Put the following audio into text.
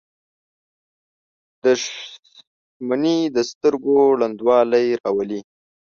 • دښمني د سترګو ړندوالی راولي.